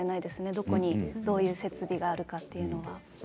どこにどういう設備があるというのを。